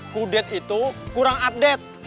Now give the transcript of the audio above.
kudet itu kurang update